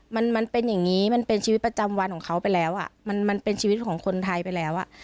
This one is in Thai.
มันมันเป็นอย่างงี้มันเป็นชีวิตประจำวันของเขาไปแล้วอ่ะมันมันเป็นชีวิตของคนไทยไปแล้วอ่ะ